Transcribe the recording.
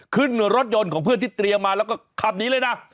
ขึ้นรถยนต์ของเพื่อนที่เตรียมมาแล้วก็ขับหนีเลยนะ